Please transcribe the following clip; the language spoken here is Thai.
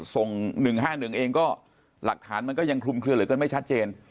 ส่ง๑๕๑เองก็หลักฐานมันก็ยังคลุมเคลือเหลือเกินไม่ชัดเจน